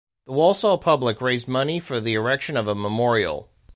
The Walsall public raised money for the erection of a memorial.